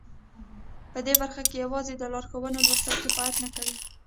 په دې برخه کې یوازې د لارښوونو لوستل کفایت نه کوي